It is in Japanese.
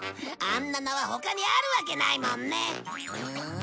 あんななわ他にあるわけないもんね。